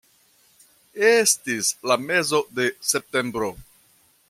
Estis la mezo de septembro.